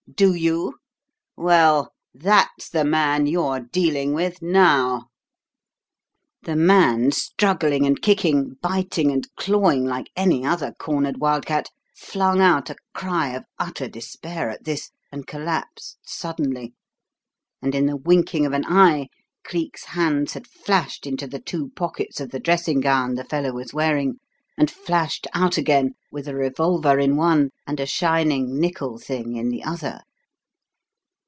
Do you? Well, that's the man you're dealing with now!" The man, struggling and kicking, biting and clawing like any other cornered wild cat, flung out a cry of utter despair at this, and collapsed suddenly; and in the winking of an eye Cleek's hands had flashed into the two pockets of the dressing gown the fellow was wearing, and flashed out again with a revolver in one and a shining nickel thing in the other.